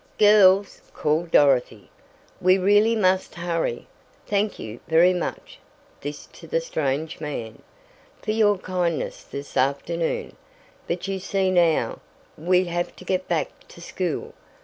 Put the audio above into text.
"Girls," called Dorothy, "we really must hurry! Thank you, very much" (this to the strange man), "for your kindness this afternoon, but you see now, we have to get back to school.